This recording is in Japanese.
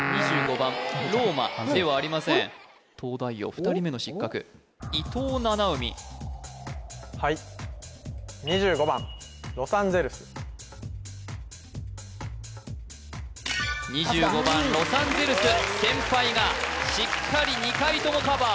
番ローマではありません東大王２人目の失格伊藤七海はい２５番ロサンゼルス先輩がしっかり２回ともカバー